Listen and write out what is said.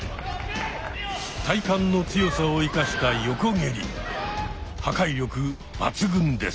体幹の強さを生かした破壊力抜群です。